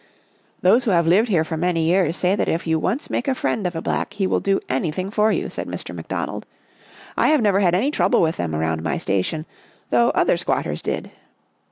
" Those who have lived here for many years say that if you once make a friend of a Black he will do anything for you," said Mr. McDonald. " I never had any trouble with them around my station, though other squatters did."